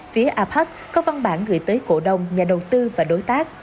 phía apas có văn bản gửi tới cổ đông nhà đầu tư và đối tác